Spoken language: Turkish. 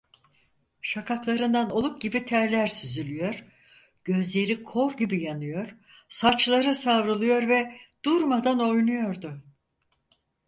Şakaklarından oluk gibi terler süzülüyor, gözleri kor gibi yanıyor, saçları savruluyor ve durmadan oynuyordu.